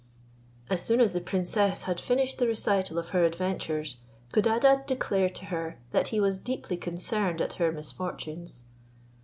As soon as the princess had finished the recital of her adventures, Codadad declared to her that he was deeply concerned at her misfortunes.